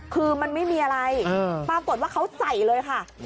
คือมันไม่มีอะไรปรากฏว่าเขาใส่เลยค่ะ